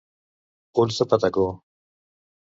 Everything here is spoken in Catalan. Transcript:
Ulls de patacó.